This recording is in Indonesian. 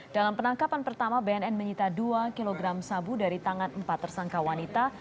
dalam penangkapan pertama bnn menyita dua kg sabu dari tangan empat tersangka wanita